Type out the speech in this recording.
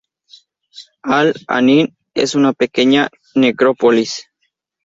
Al-Ayn es una pequeña necrópolis.